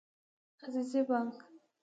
عزیزي بانګ